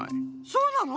そうなの？